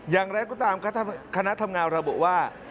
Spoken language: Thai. อย่างไรก็ตามคณะทำงานระบุว่า